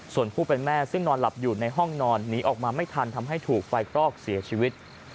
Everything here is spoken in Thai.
ส่วนผู้เป็นแม่ซึ่งนอนหลับอยู่ในห้องนอนหนีออกมาไม่ทันทำให้ถูกไฟคลอกเสียชีวิต